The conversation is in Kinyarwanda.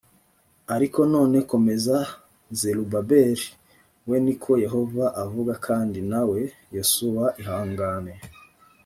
ariko none komera zerubabeli we ni ko yehova avuga kandi nawe yosuwa ihangane